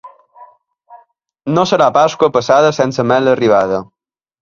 No serà Pasqua passada sense merla arribada.